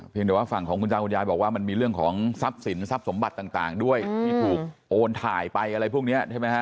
แต่ว่าฝั่งของคุณตาคุณยายบอกว่ามันมีเรื่องของทรัพย์สินทรัพย์สมบัติต่างด้วยที่ถูกโอนถ่ายไปอะไรพวกนี้ใช่ไหมฮะ